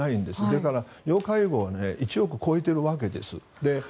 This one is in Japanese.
だから要介護は１億を超えているわけです。